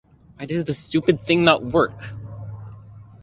Why does this stupid thing not work?